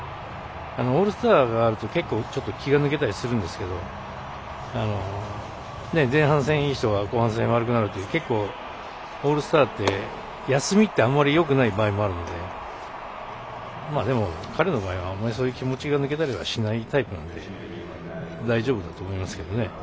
オールスターがあると結構、気が抜けたりするんですけど前半戦いい人が後半戦悪くなるとか結構、オールスターって休みってあまりよくない場合もあるのででも、彼の場合はあんまり気持ちが抜けたりしないタイプなので大丈夫だと思いますけどね。